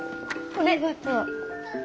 ありがとう。